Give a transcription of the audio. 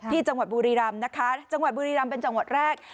ที่จังหวัดบุรีรำนะคะจังหวัดบุรีรำเป็นจังหวัดแรก